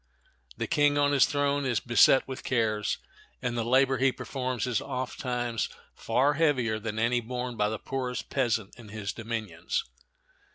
The king on his throne is beset with cares, and the labor he performs is ofttimes far heavier than any borne by the poorest peasant in his dominions.